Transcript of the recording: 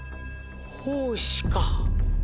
胞子か？